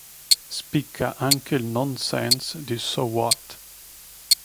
Spicca anche il "nonsense" di "So What?